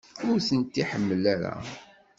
Ur tent-tḥemmel ara?